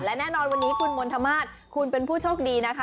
และแน่นอนวันนี้คุณมณฑมาสคุณเป็นผู้โชคดีนะคะ